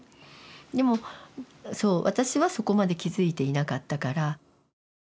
でもそう私はそこまで気付いていなかったから。